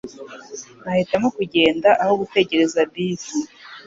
Nahitamo kugenda aho gutegereza bisi.